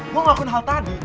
gue ngelakuin hal tadi